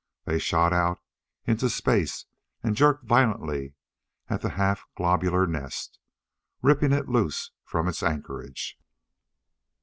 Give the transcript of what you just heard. They shot out into space and jerked violently at the half globular nest, ripping it loose from its anchorage.